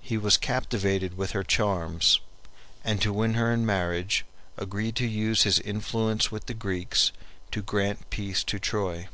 He was captivated with her charms, and to win her in marriage agreed to use his influence with the Greeks to grant peace to Troy.